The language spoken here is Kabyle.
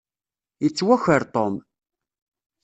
Yettwaker Tom.